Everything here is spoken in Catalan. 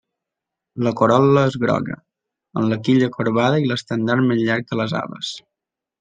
La corol·la és groga, amb la quilla corbada i l'estendard més llarg que les ales.